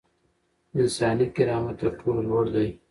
انساني کرامت تر ټولو لوړ دی.